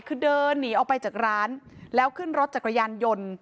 คือเดินหนีออกไปจากร้านแล้วขึ้นรถจักรยานยนต์